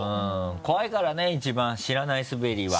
怖いからね一番知らないスベりは。